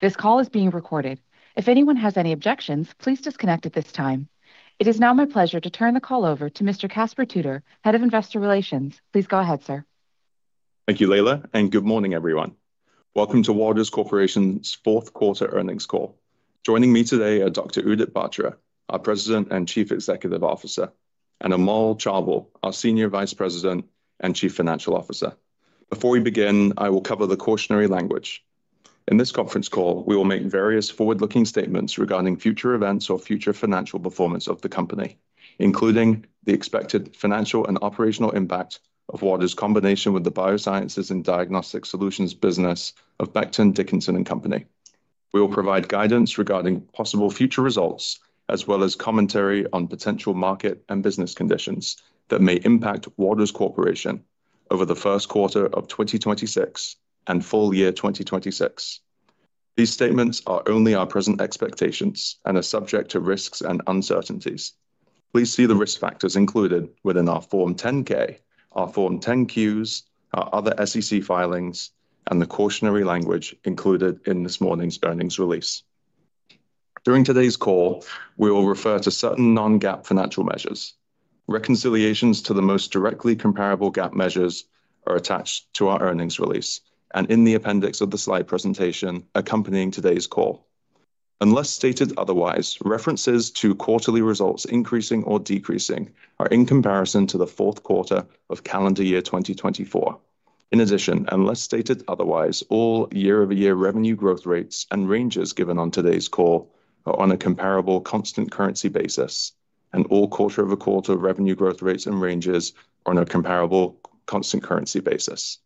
This call is being recorded. If anyone has any objections, please disconnect at this time. It is now my pleasure to turn the call over to Mr. Caspar Tudor, Head of Investor Relations. Please go ahead, sir. Thank you, Leila, and good morning, everyone. Welcome to Waters Corporation's Fourth Quarter Earnings Call. Joining me today are Dr. Udit Batra, our President and Chief Executive Officer, and Amol Chaubal, our Senior Vice President and Chief Financial Officer. Before we begin, I will cover the cautionary language. In this conference call, we will make various forward-looking statements regarding future events or future financial performance of the company, including the expected financial and operational impact of Waters' combination with the Biosciences and Diagnostic Solutions business of Becton, Dickinson and Company. We will provide guidance regarding possible future results, as well as commentary on potential market and business conditions that may impact Waters Corporation over the first quarter of 2026 and full year 2026. These statements are only our present expectations and are subject to risks and uncertainties. Please see the risk factors included within our Form 10-K, our Form 10-Qs, our other SEC filings, and the cautionary language included in this morning's earnings release. During today's call, we will refer to certain non-GAAP financial measures. Reconciliations to the most directly comparable GAAP measures are attached to our earnings release and in the appendix of the slide presentation accompanying today's call. Unless stated otherwise, references to quarterly results increasing or decreasing are in comparison to the fourth quarter of calendar year 2024. In addition, unless stated otherwise, all year-over-year revenue growth rates and ranges given on today's call are on a comparable constant currency basis, and all quarter-over-quarter revenue growth rates and ranges are on a comparable constant currency basis.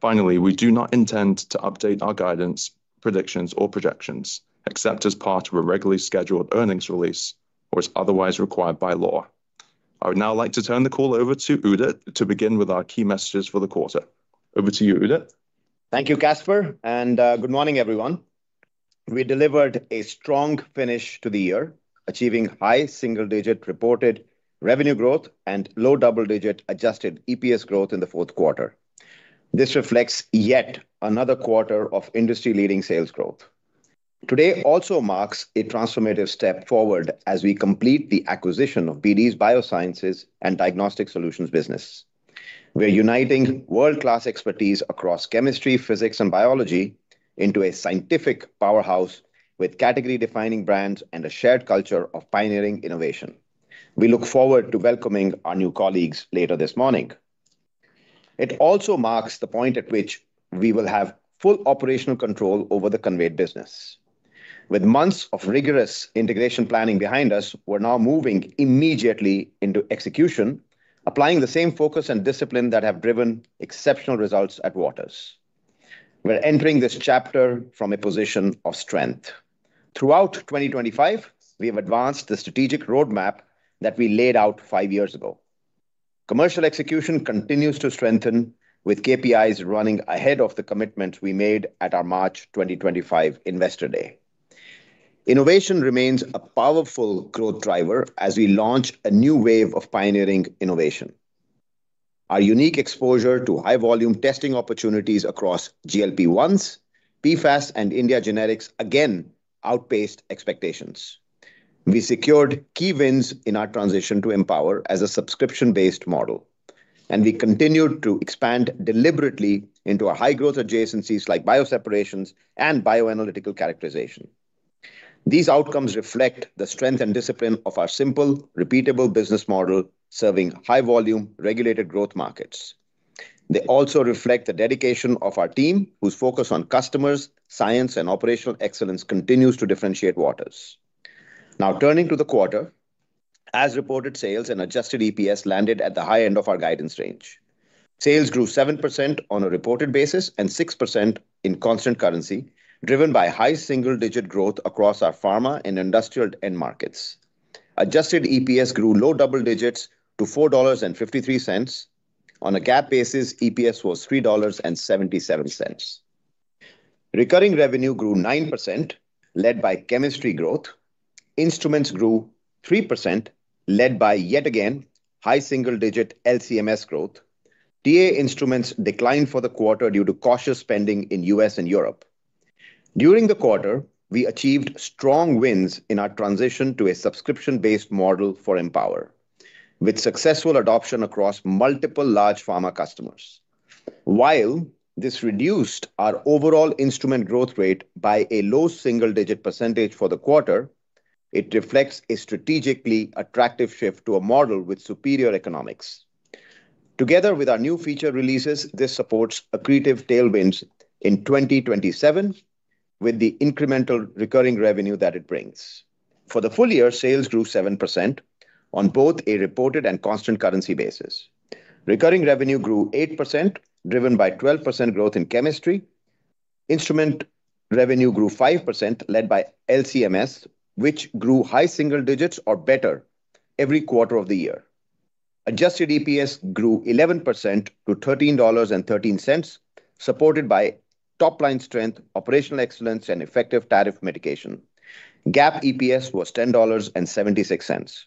Finally, we do not intend to update our guidance, predictions, or projections except as part of a regularly scheduled earnings release or as otherwise required by law. I would now like to turn the call over to Udit to begin with our key messages for the quarter. Over to you, Udit. Thank you, Caspar, and good morning, everyone. We delivered a strong finish to the year, achieving high single-digit reported revenue growth and low double-digit adjusted EPS growth in the fourth quarter. This reflects yet another quarter of industry-leading sales growth. Today also marks a transformative step forward as we complete the acquisition of BD's Biosciences and Diagnostic Solutions business. We're uniting world-class expertise across chemistry, physics, and biology into a scientific powerhouse with category-defining brands and a shared culture of pioneering innovation. We look forward to welcoming our new colleagues later this morning. It also marks the point at which we will have full operational control over the conveyed business. With months of rigorous integration planning behind us, we're now moving immediately into execution, applying the same focus and discipline that have driven exceptional results at Waters. We're entering this chapter from a position of strength. Throughout 2025, we have advanced the strategic roadmap that we laid out five years ago. Commercial execution continues to strengthen with KPIs running ahead of the commitments we made at our March 2025 Investor Day. Innovation remains a powerful growth driver as we launch a new wave of pioneering innovation. Our unique exposure to high-volume testing opportunities across GLP-1s, PFAS, and India generics again outpaced expectations. We secured key wins in our transition to Empower as a subscription-based model, and we continued to expand deliberately into our high-growth adjacencies like bioseparations and bioanalytical characterization. These outcomes reflect the strength and discipline of our simple, repeatable business model serving high-volume, regulated growth markets. They also reflect the dedication of our team, whose focus on customers, science, and operational excellence continues to differentiate Waters. Now turning to the quarter, as reported sales and adjusted EPS landed at the high end of our guidance range. Sales grew 7% on a reported basis and 6% in constant currency, driven by high single-digit growth across our pharma and industrial end markets. Adjusted EPS grew low double digits to $4.53. On a GAAP basis, EPS was $3.77. Recurring revenue grew 9%, led by chemistry growth. Instruments grew 3%, led by, yet again, high single-digit LCMS growth. TA instruments declined for the quarter due to cautious spending in the U.S. and Europe. During the quarter, we achieved strong wins in our transition to a subscription-based model for Empower, with successful adoption across multiple large pharma customers. While this reduced our overall instrument growth rate by a low single-digit percentage for the quarter, it reflects a strategically attractive shift to a model with superior economics. Together with our new feature releases, this supports accretive tailwinds in 2027 with the incremental recurring revenue that it brings. For the full year, sales grew 7% on both a reported and constant currency basis. Recurring revenue grew 8%, driven by 12% growth in chemistry. Instrument revenue grew 5%, led by LCMS, which grew high single digits or better every quarter of the year. Adjusted EPS grew 11% to $13.13, supported by top-line strength, operational excellence, and effective tariff mitigation. GAAP EPS was $10.76.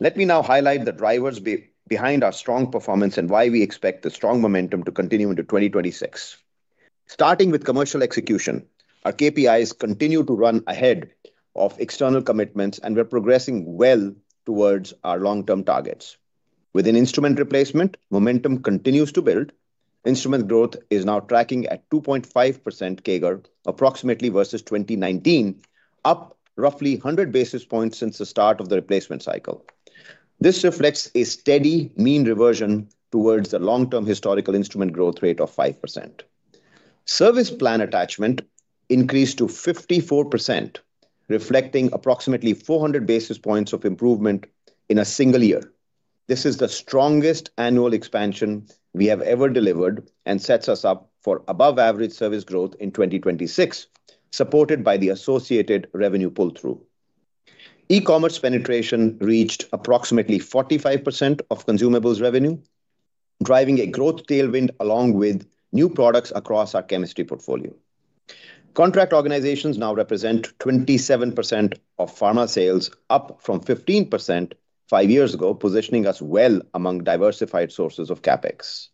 Let me now highlight the drivers behind our strong performance and why we expect the strong momentum to continue into 2026. Starting with commercial execution, our KPIs continue to run ahead of external commitments, and we're progressing well towards our long-term targets. Within instrument replacement, momentum continues to build. Instrument growth is now tracking at 2.5% CAGR approximately versus 2019, up roughly 100 basis points since the start of the replacement cycle. This reflects a steady mean reversion towards the long-term historical instrument growth rate of 5%. Service plan attachment increased to 54%, reflecting approximately 400 basis points of improvement in a single year. This is the strongest annual expansion we have ever delivered and sets us up for above-average service growth in 2026, supported by the associated revenue pull-through. E-commerce penetration reached approximately 45% of consumables revenue, driving a growth tailwind along with new products across our chemistry portfolio. Contract organizations now represent 27% of pharma sales, up from 15% five years ago, positioning us well among diversified sources of CapEx.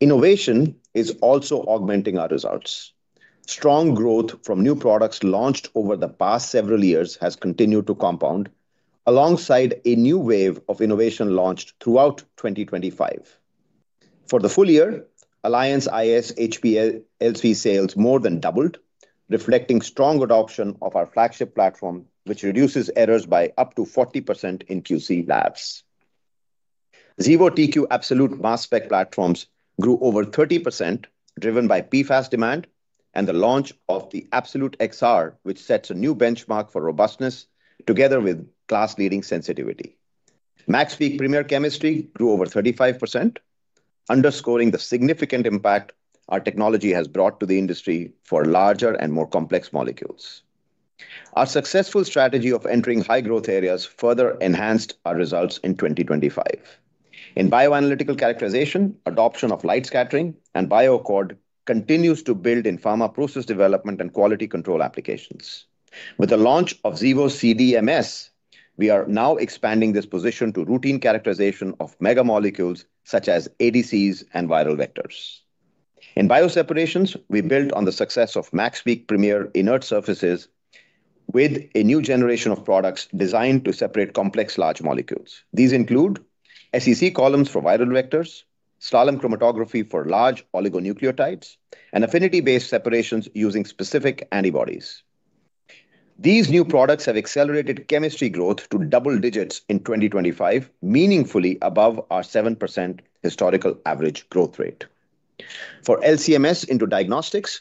Innovation is also augmenting our results. Strong growth from new products launched over the past several years has continued to compound, alongside a new wave of innovation launched throughout 2025. For the full year, Alliance iS HPLC sales more than doubled, reflecting strong adoption of our flagship platform, which reduces errors by up to 40% in QC labs. Xevo TQ Absolute mass spec platforms grew over 30%, driven by PFAS demand and the launch of the Absolute XR, which sets a new benchmark for robustness together with class-leading sensitivity. MaxPeak Premier Chemistry grew over 35%, underscoring the significant impact our technology has brought to the industry for larger and more complex molecules. Our successful strategy of entering high-growth areas further enhanced our results in 2025. In bioanalytical characterization, adoption of light scattering and BioAccord continues to build in pharma process development and quality control applications. With the launch of Xevo CDMS, we are now expanding this position to routine characterization of mega-molecules such as ADCs and viral vectors. In bioseparations, we built on the success of MaxPeak Premier Inert Surfaces with a new generation of products designed to separate complex large molecules. These include SEC columns for viral vectors, slalom chromatography for large oligonucleotides, and affinity-based separations using specific antibodies. These new products have accelerated chemistry growth to double digits in 2025, meaningfully above our 7% historical average growth rate. For LCMS into diagnostics,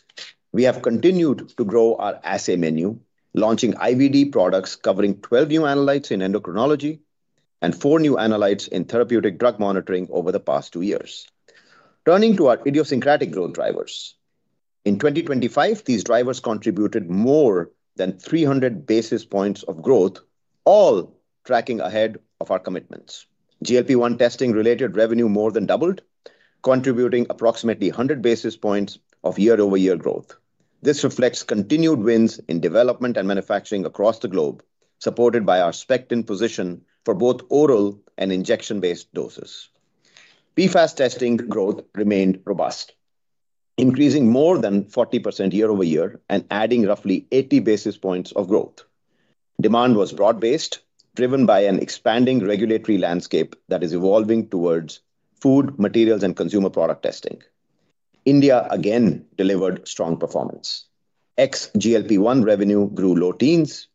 we have continued to grow our assay menu, launching IVD products covering 12 new analytes in endocrinology and four new analytes in therapeutic drug monitoring over the past two years. Turning to our idiosyncratic growth drivers. In 2025, these drivers contributed more than 300 basis points of growth, all tracking ahead of our commitments. GLP-1 testing-related revenue more than doubled, contributing approximately 100 basis points of year-over-year growth. This reflects continued wins in development and manufacturing across the globe, supported by our SPECTIN position for both oral and injection-based doses. PFAS testing growth remained robust, increasing more than 40% year-over-year and adding roughly 80 basis points of growth. Demand was broad-based, driven by an expanding regulatory landscape that is evolving towards food, materials, and consumer product testing. India, again, delivered strong performance. Ex-GLP-1 revenue grew low teens,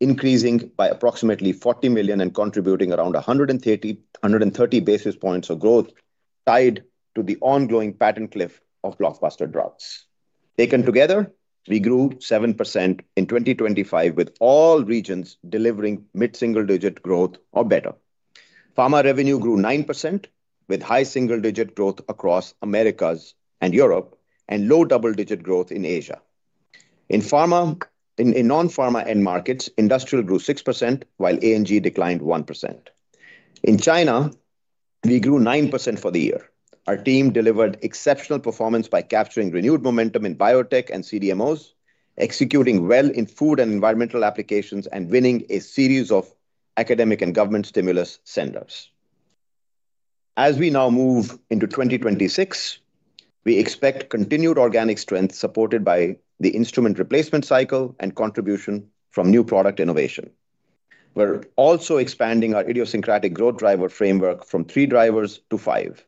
increasing by approximately $40 million and contributing around 130 basis points of growth tied to the ongoing patent cliff of blockbuster drugs. Taken together, we grew 7% in 2025 with all regions delivering mid-single-digit growth or better. Pharma revenue grew 9% with high single-digit growth across Americas and Europe and low double-digit growth in Asia. In non-pharma end markets, industrial grew 6% while A&G declined 1%. In China, we grew 9% for the year. Our team delivered exceptional performance by capturing renewed momentum in biotech and CDMOs, executing well in food and environmental applications, and winning a series of academic and government stimulus spenders. As we now move into 2026, we expect continued organic strength supported by the instrument replacement cycle and contribution from new product innovation. We're also expanding our idiosyncratic growth driver framework from three drivers to five.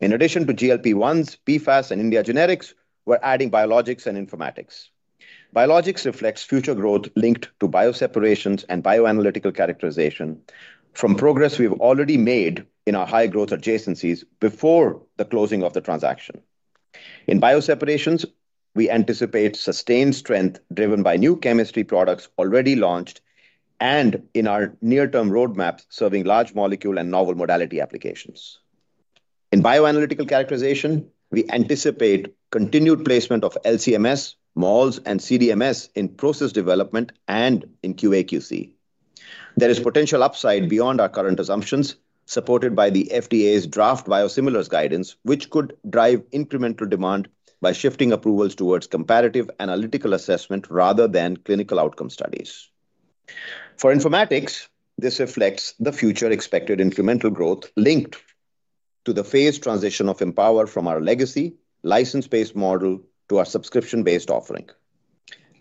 In addition to GLP-1s, PFAS, and India generics, we're adding biologics and informatics. Biologics reflects future growth linked to bioseparations and bioanalytical characterization from progress we've already made in our high-growth adjacencies before the closing of the transaction. In bioseparations, we anticipate sustained strength driven by new chemistry products already launched and in our near-term roadmap serving large molecule and novel modality applications. In bioanalytical characterization, we anticipate continued placement of LCMS, MALS, and CDMS in process development and in QA/QC. There is potential upside beyond our current assumptions, supported by the FDA's draft biosimilars guidance, which could drive incremental demand by shifting approvals towards comparative analytical assessment rather than clinical outcome studies. For informatics, this reflects the future expected incremental growth linked to the phased transition of Empower from our legacy license-based model to our subscription-based offering.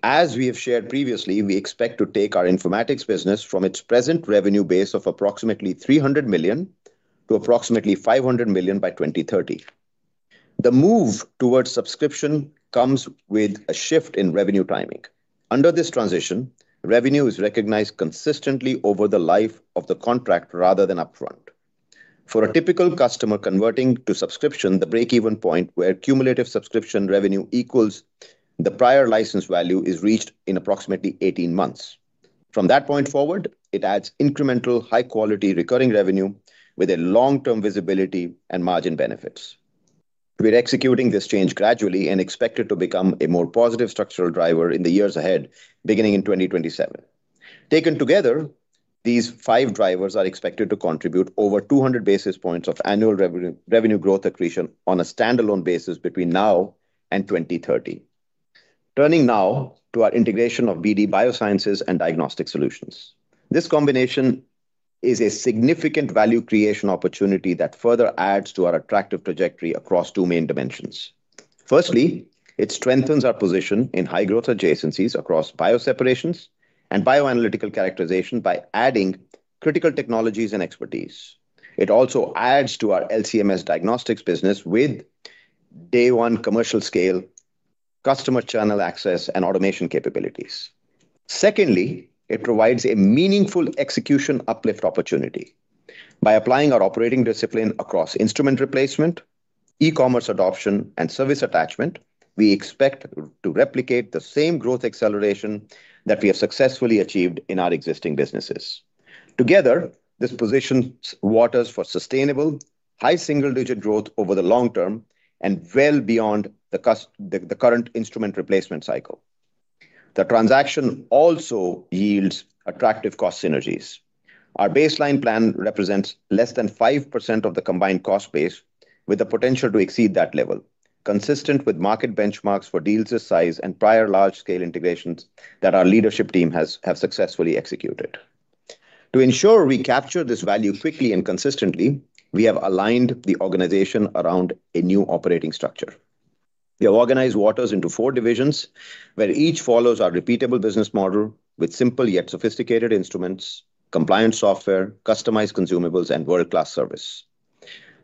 As we have shared previously, we expect to take our informatics business from its present revenue base of approximately $300 million to approximately $500 million by 2030. The move towards subscription comes with a shift in revenue timing. Under this transition, revenue is recognized consistently over the life of the contract rather than upfront. For a typical customer converting to subscription, the breakeven point where cumulative subscription revenue equals the prior license value is reached in approximately 18 months. From that point forward, it adds incremental high-quality recurring revenue with a long-term visibility and margin benefits. We're executing this change gradually and expect it to become a more positive structural driver in the years ahead, beginning in 2027. Taken together, these five drivers are expected to contribute over 200 basis points of annual revenue growth accretion on a standalone basis between now and 2030. Turning now to our integration of BD Biosciences and Diagnostic Solutions. This combination is a significant value creation opportunity that further adds to our attractive trajectory across two main dimensions. Firstly, it strengthens our position in high-growth adjacencies across bioseparations and bioanalytical characterization by adding critical technologies and expertise. It also adds to our LCMS diagnostics business with day-one commercial scale, customer channel access, and automation capabilities. Secondly, it provides a meaningful execution uplift opportunity. By applying our operating discipline across instrument replacement, e-commerce adoption, and service attachment, we expect to replicate the same growth acceleration that we have successfully achieved in our existing businesses. Together, this positions Waters for sustainable, high single-digit growth over the long term and well beyond the current instrument replacement cycle. The transaction also yields attractive cost synergies. Our baseline plan represents less than 5% of the combined cost base with the potential to exceed that level, consistent with market benchmarks for deals this size and prior large-scale integrations that our leadership team has successfully executed. To ensure we capture this value quickly and consistently, we have aligned the organization around a new operating structure. We have organized Waters into four divisions where each follows our repeatable business model with simple yet sophisticated instruments, compliant software, customized consumables, and world-class service.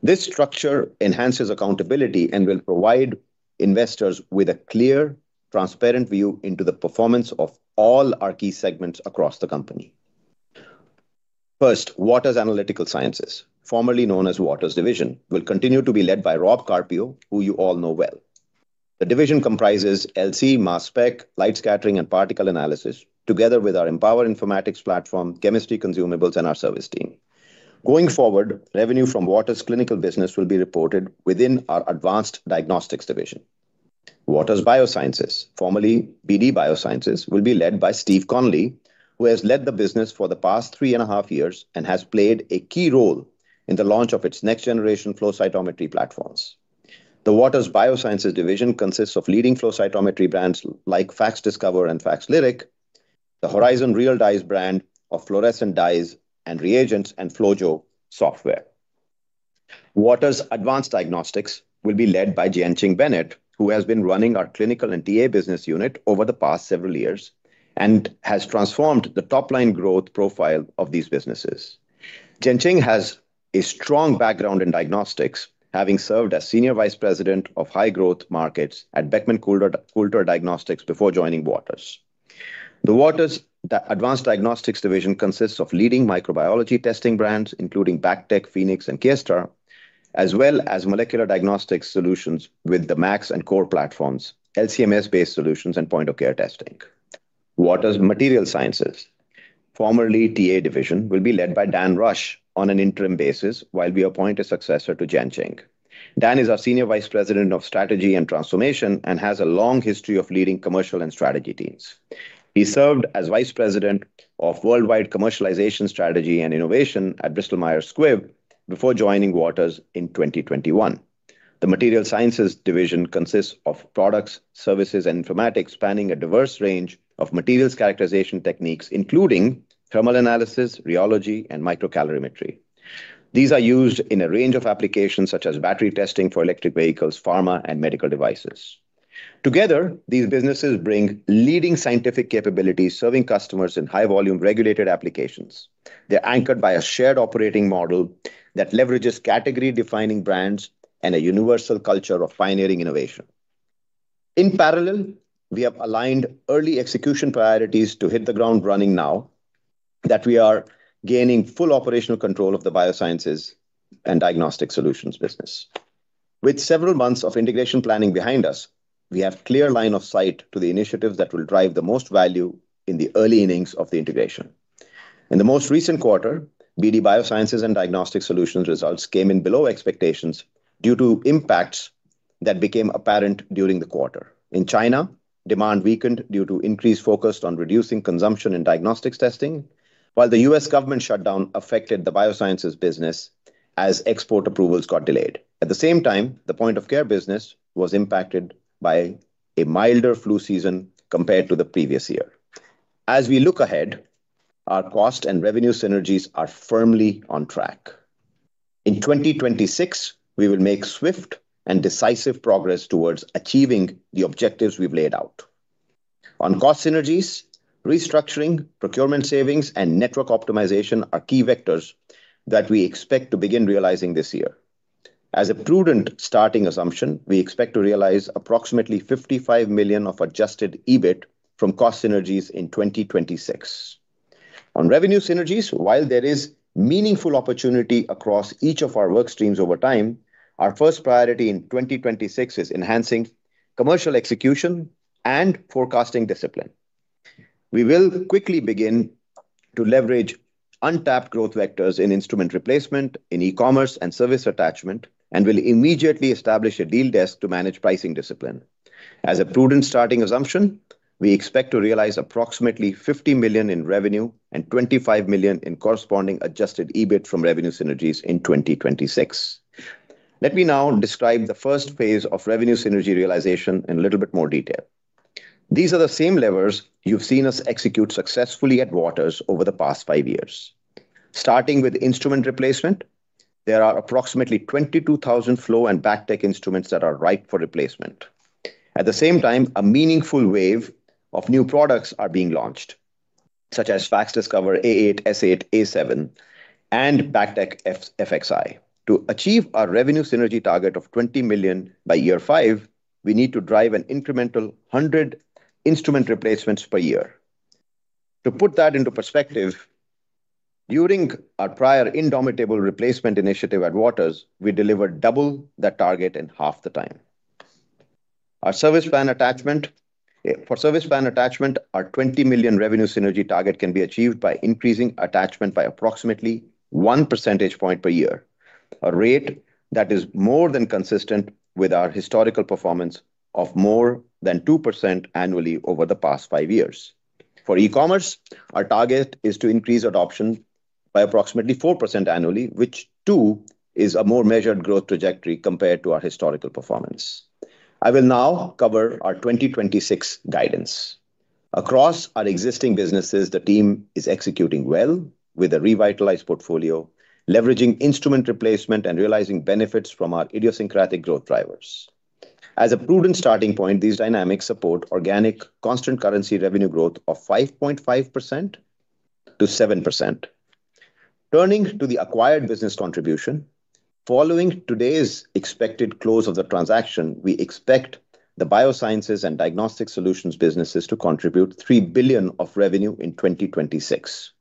This structure enhances accountability and will provide investors with a clear, transparent view into the performance of all our key segments across the company. First, Waters Analytical Sciences, formerly known as Waters Division, will continue to be led by Rob Carpio, who you all know well. The division comprises LC mass spec, light scattering, and particle analysis together with our Empower informatics platform, chemistry consumables, and our service team. Going forward, revenue from Waters' clinical business will be reported within our Advanced Diagnostics division. Waters Biosciences, formerly BD Biosciences, will be led by Steve Conley, who has led the business for the past 3.5 years and has played a key role in the launch of its next-generation flow cytometry platforms. The Waters Biosciences division consists of leading flow cytometry brands like FACSDiscover and FACSLyric, the Horizon Real dyes brand of fluorescent dyes and reagents, and FlowJo software. Waters Advanced Diagnostics will be led by Jianqing Bennett, who has been running our clinical and TA business unit over the past several years and has transformed the top-line growth profile of these businesses. Jianqing has a strong background in diagnostics, having served as Senior Vice President of High Growth Markets at Beckman Coulter Diagnostics before joining Waters. The Waters Advanced Diagnostics division consists of leading microbiology testing brands, including BACTEC, Phoenix, and Kiestra, as well as molecular diagnostics solutions with the MAX and COR platforms, LCMS-based solutions, and point-of-care testing. Waters Material Sciences, formerly TA Division, will be led by Dan Rush on an interim basis while we appoint a successor to Jianqing. Dan is our Senior Vice President of Strategy and Transformation and has a long history of leading commercial and strategy teams. He served as Vice President of Worldwide Commercialization Strategy and Innovation at Bristol Myers Squibb before joining Waters in 2021. The Material Sciences division consists of products, services, and informatics spanning a diverse range of materials characterization techniques, including thermal analysis, rheology, and microcalorimetry. These are used in a range of applications such as battery testing for electric vehicles, pharma, and medical devices. Together, these businesses bring leading scientific capabilities serving customers in high-volume regulated applications. They're anchored by a shared operating model that leverages category-defining brands and a universal culture of pioneering innovation. In parallel, we have aligned early execution priorities to hit the ground running now that we are gaining full operational control of the biosciences and diagnostic solutions business. With several months of integration planning behind us, we have a clear line of sight to the initiatives that will drive the most value in the early innings of the integration. In the most recent quarter, BD Biosciences and Diagnostic Solutions results came in below expectations due to impacts that became apparent during the quarter. In China, demand weakened due to increased focus on reducing consumption in diagnostics testing, while the U.S. government shutdown affected the biosciences business as export approvals got delayed. At the same time, the point-of-care business was impacted by a milder flu season compared to the previous year. As we look ahead, our cost and revenue synergies are firmly on track. In 2026, we will make swift and decisive progress towards achieving the objectives we've laid out. On cost synergies, restructuring, procurement savings, and network optimization are key vectors that we expect to begin realizing this year. As a prudent starting assumption, we expect to realize approximately $55 million of adjusted EBIT from cost synergies in 2026. On revenue synergies, while there is meaningful opportunity across each of our workstreams over time, our first priority in 2026 is enhancing commercial execution and forecasting discipline. We will quickly begin to leverage untapped growth vectors in instrument replacement, in e-commerce, and service attachment, and will immediately establish a deal desk to manage pricing discipline. As a prudent starting assumption, we expect to realize approximately $50 million in revenue and $25 million in corresponding adjusted EBIT from revenue synergies in 2026. Let me now describe the first phase of revenue synergy realization in a little bit more detail. These are the same levers you've seen us execute successfully at Waters over the past five years. Starting with instrument replacement, there are approximately 22,000 flow and BACTEC instruments that are ripe for replacement. At the same time, a meaningful wave of new products is being launched, such as FACSDiscover A8, S8, A7, and BACTEC FX. To achieve our revenue synergy target of $20 million by year five, we need to drive an incremental 100 instrument replacements per year. To put that into perspective, during our prior instrument replacement initiative at Waters, we delivered double that target in half the time. For service plan attachment, our $20 million revenue synergy target can be achieved by increasing attachment by approximately one percentage point per year, a rate that is more than consistent with our historical performance of more than 2% annually over the past five years. For e-commerce, our target is to increase adoption by approximately 4% annually, which too is a more measured growth trajectory compared to our historical performance. I will now cover our 2026 guidance. Across our existing businesses, the team is executing well with a revitalized portfolio, leveraging instrument replacement and realizing benefits from our idiosyncratic growth drivers. As a prudent starting point, these dynamics support organic, constant currency revenue growth of 5.5%-7%. Turning to the acquired business contribution, following today's expected close of the transaction, we expect the biosciences and diagnostic solutions businesses to contribute $3 billion of revenue in 2026.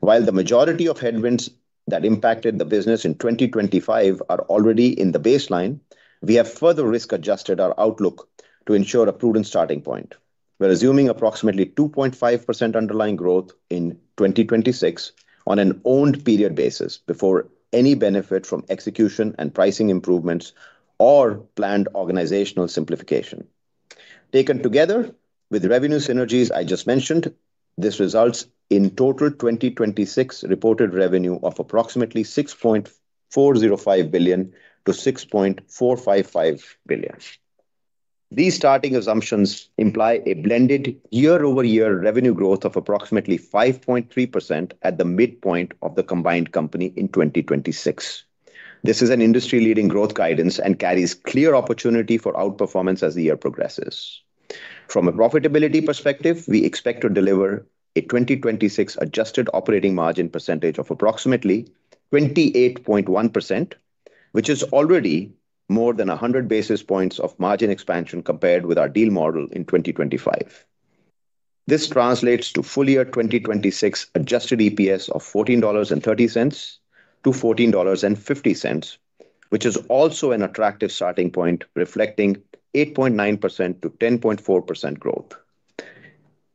While the majority of headwinds that impacted the business in 2025 are already in the baseline, we have further risk-adjusted our outlook to ensure a prudent starting point. We're assuming approximately 2.5% underlying growth in 2026 on an owned period basis before any benefit from execution and pricing improvements or planned organizational simplification. Taken together with revenue synergies I just mentioned, this results in total 2026 reported revenue of approximately $6.405 billion-$6.455 billion. These starting assumptions imply a blended year-over-year revenue growth of approximately 5.3% at the midpoint of the combined company in 2026. This is an industry-leading growth guidance and carries clear opportunity for outperformance as the year progresses. From a profitability perspective, we expect to deliver a 2026 adjusted operating margin percentage of approximately 28.1%, which is already more than 100 basis points of margin expansion compared with our deal model in 2025. This translates to full-year 2026 adjusted EPS of $14.30-$14.50, which is also an attractive starting point reflecting 8.9%-10.4% growth.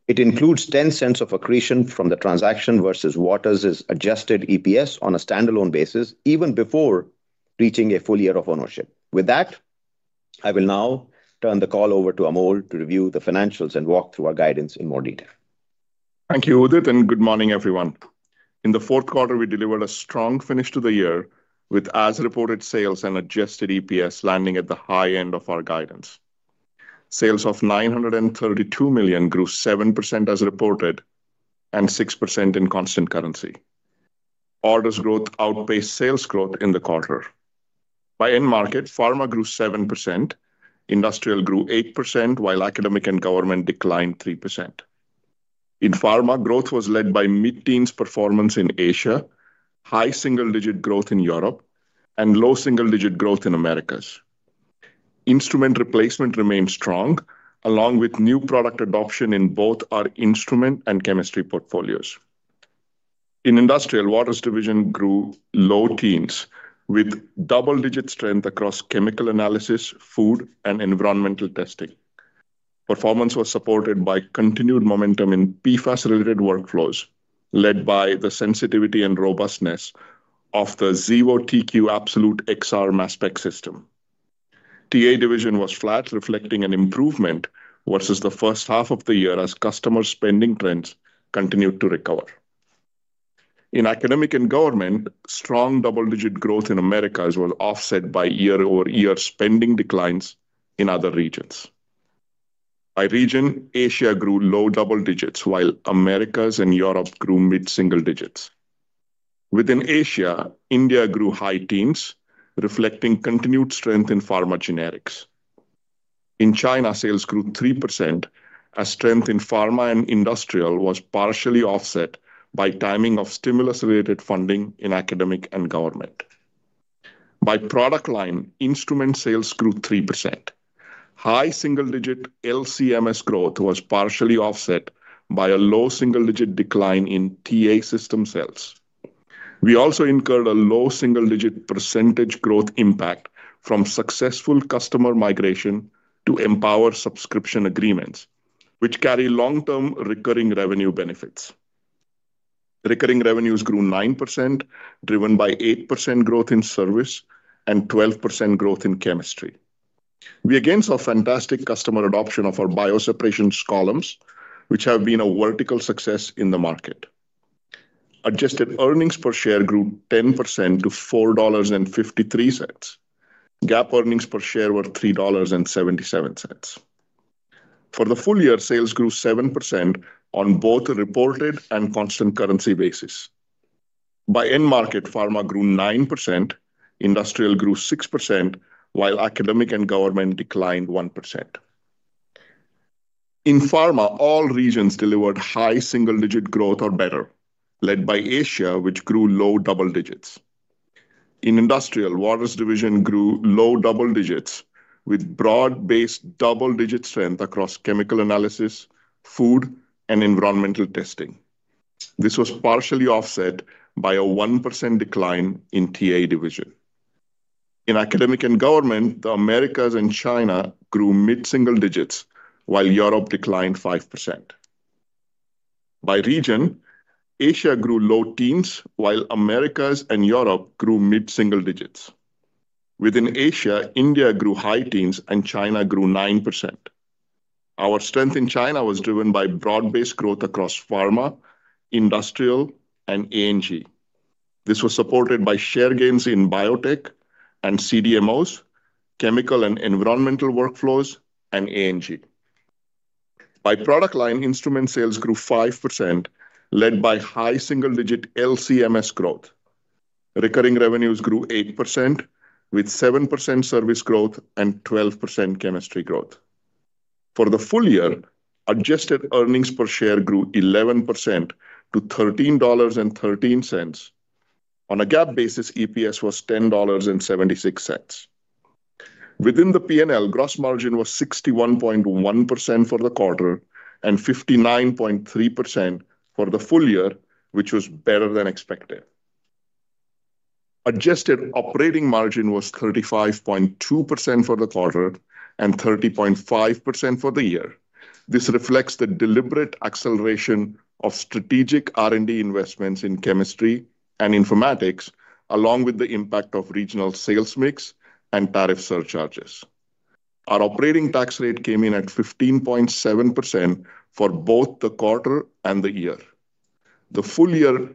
It includes $0.10 of accretion from the transaction versus Waters' adjusted EPS on a standalone basis even before reaching a full year of ownership. With that, I will now turn the call over to Amol to review the financials and walk through our guidance in more detail. Thank you, Udit, and good morning, everyone. In the fourth quarter, we delivered a strong finish to the year with, as reported, sales and adjusted EPS landing at the high end of our guidance. Sales of $932 million grew 7% as reported and 6% in constant currency. Orders growth outpaced sales growth in the quarter. By end market, pharma grew 7%, industrial grew 8%, while academic and government declined 3%. In pharma, growth was led by mid-teens performance in Asia, high single-digit growth in Europe, and low single-digit growth in Americas. Instrument replacement remained strong along with new product adoption in both our instrument and chemistry portfolios. In industrial, Waters Division grew low teens with double-digit strength across chemical analysis, food, and environmental testing. Performance was supported by continued momentum in PFAS-related workflows led by the sensitivity and robustness of the Xevo TQ Absolute XR mass spec system. TA Division was flat, reflecting an improvement versus the first half of the year as customer spending trends continued to recover. In academic and government, strong double-digit growth in Americas was offset by year-over-year spending declines in other regions. By region, Asia grew low double digits, while Americas and Europe grew mid-single digits. Within Asia, India grew high teens, reflecting continued strength in pharma generics. In China, sales grew 3% as strength in pharma and industrial was partially offset by timing of stimulus-related funding in academic and government. By product line, instrument sales grew 3%. High single-digit LCMS growth was partially offset by a low single-digit decline in TA system sales. We also incurred a low single-digit percentage growth impact from successful customer migration to Empower subscription agreements, which carry long-term recurring revenue benefits. Recurring revenues grew 9% driven by 8% growth in service and 12% growth in chemistry. We again saw fantastic customer adoption of our Bioseparations columns, which have been a vertical success in the market. Adjusted earnings per share grew 10% to $4.53. GAAP earnings per share were $3.77. For the full year, sales grew 7% on both a reported and constant currency basis. By end market, pharma grew 9%, industrial grew 6%, while academic and government declined 1%. In pharma, all regions delivered high single-digit growth or better, led by Asia, which grew low double digits. In industrial, Waters Division grew low double digits with broad-based double-digit strength across chemical analysis, food, and environmental testing. This was partially offset by a 1% decline in TA Division. In academic and government, the Americas and China grew mid-single digits, while Europe declined 5%. By region, Asia grew low teens, while Americas and Europe grew mid-single digits. Within Asia, India grew high teens, and China grew 9%. Our strength in China was driven by broad-based growth across pharma, industrial, and ANG. This was supported by share gains in biotech and CDMOs, chemical and environmental workflows, and ANG. By product line, instrument sales grew 5% led by high single-digit LCMS growth. Recurring revenues grew 8% with 7% service growth and 12% chemistry growth. For the full year, adjusted earnings per share grew 11% to $13.13. On a GAAP basis, EPS was $10.76. Within the P&L, gross margin was 61.1% for the quarter and 59.3% for the full year, which was better than expected. Adjusted operating margin was 35.2% for the quarter and 30.5% for the year. This reflects the deliberate acceleration of strategic R&D investments in chemistry and informatics, along with the impact of regional sales mix and tariff surcharges. Our operating tax rate came in at 15.7% for both the quarter and the year. The full year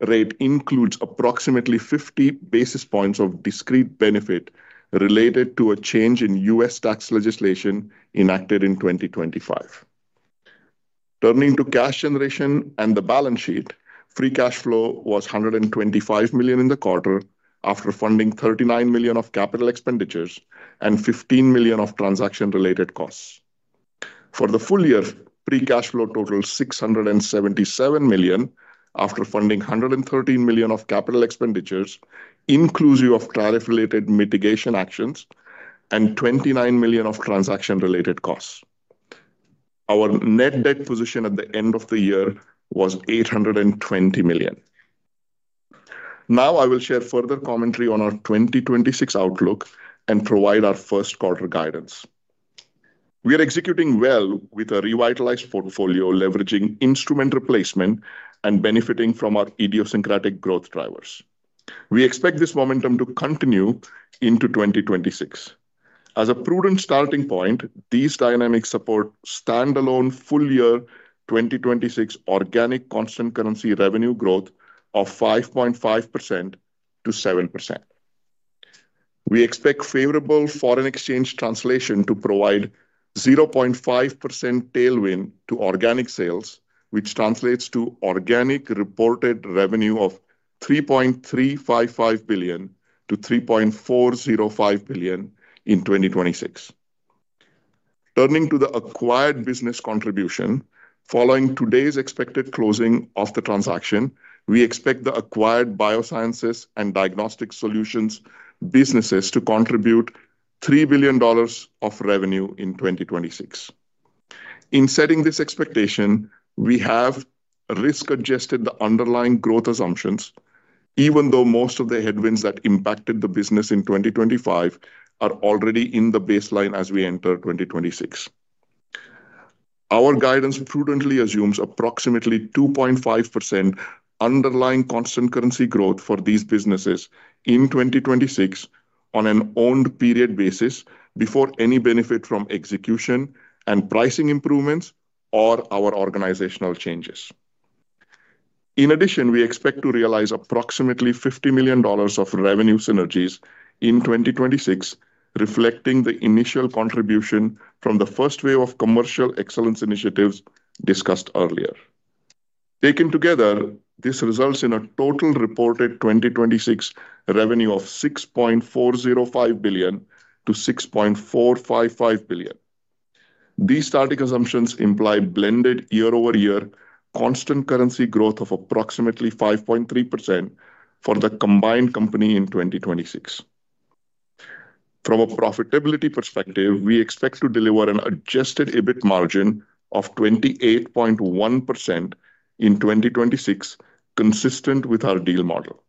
rate includes approximately 50 basis points of discrete benefit related to a change in U.S. tax legislation enacted in 2025. Turning to cash generation and the balance sheet, free cash flow was $125 million in the quarter after funding $39 million of capital expenditures and $15 million of transaction-related costs. For the full year, free cash flow totaled $677 million after funding $113 million of capital expenditures, inclusive of tariff-related mitigation actions, and $29 million of transaction-related costs. Our net debt position at the end of the year was $820 million. Now, I will share further commentary on our 2026 outlook and provide our first quarter guidance. We are executing well with a revitalized portfolio, leveraging instrument replacement and benefiting from our idiosyncratic growth drivers. We expect this momentum to continue into 2026. As a prudent starting point, these dynamics support standalone full year 2026 organic constant currency revenue growth of 5.5%-7%. We expect favorable foreign exchange translation to provide 0.5% tailwind to organic sales, which translates to organic reported revenue of $3.355 billion-$3.405 billion in 2026. Turning to the acquired business contribution, following today's expected closing of the transaction, we expect the acquired biosciences and diagnostic solutions businesses to contribute $3 billion of revenue in 2026. In setting this expectation, we have risk-adjusted the underlying growth assumptions, even though most of the headwinds that impacted the business in 2025 are already in the baseline as we enter 2026. Our guidance prudently assumes approximately 2.5% underlying constant currency growth for these businesses in 2026 on an owned period basis before any benefit from execution and pricing improvements or our organizational changes. In addition, we expect to realize approximately $50 million of revenue synergies in 2026, reflecting the initial contribution from the first wave of commercial excellence initiatives discussed earlier. Taken together, this results in a total reported 2026 revenue of $6.405 billion-$6.455 billion. These starting assumptions imply blended year-over-year constant currency growth of approximately 5.3% for the combined company in 2026. From a profitability perspective, we expect to deliver an adjusted EBIT margin of 28.1% in 2026, consistent with our deal model.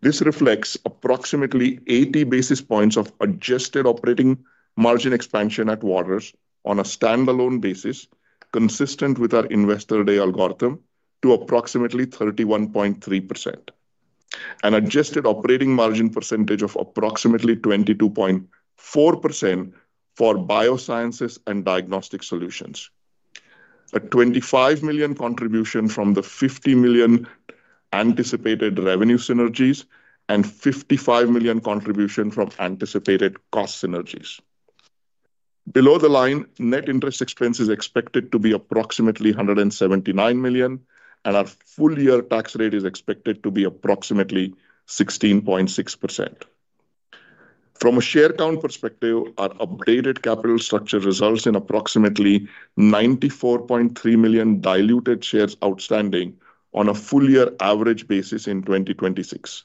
This reflects approximately 80 basis points of adjusted operating margin expansion at Waters on a standalone basis, consistent with our investor day algorithm, to approximately 31.3%. An adjusted operating margin percentage of approximately 22.4% for biosciences and diagnostic solutions. A $25 million contribution from the $50 million anticipated revenue synergies and $55 million contribution from anticipated cost synergies. Below the line, net interest expense is expected to be approximately $179 million, and our full year tax rate is expected to be approximately 16.6%. From a share count perspective, our updated capital structure results in approximately 94.3 million diluted shares outstanding on a full year average basis in 2026.